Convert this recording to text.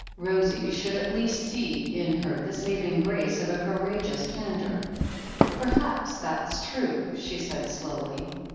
Rosie should at least see in her the saving grace of a courageous candour. "Perhaps that's true," she said slowly.